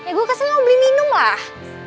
ya gue kesini mau beli minum lah